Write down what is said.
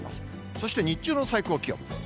そして日中の最高気温。